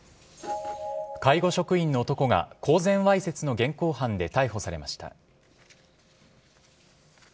介護職員の男が公然わいせつの現行犯で逮捕されました。